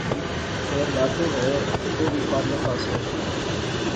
فیر ناطے وہے تہ او وی پارلے پاسے